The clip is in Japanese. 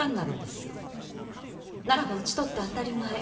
ならば討ち取って当たり前。